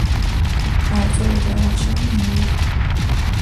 پرتوی درخشان نور